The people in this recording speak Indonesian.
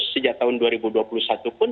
sejak tahun dua ribu dua puluh satu pun